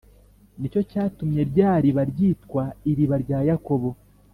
Ni cyo cyatumye rya riba ryitwa Iriba rya yakobo